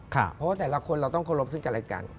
เพราะว่าแต่ละคนเราต้องโครบซึ่งกัน